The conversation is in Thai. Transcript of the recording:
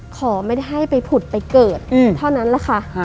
ขอไม่ได้ให้ไปผุดไปเกิดเท่านั้นแหละค่ะ